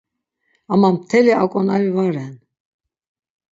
Ama mteli aǩonari va ren.